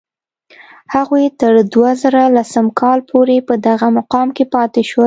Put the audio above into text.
هغوی تر دوه زره لسم کال پورې په دغه مقام کې پاتې شول.